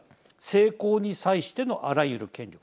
成功に際してのあらゆる権力。